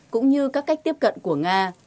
cũng như các cách tiếp cận của nga